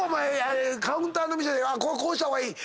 カウンターの店でこうした方がいい。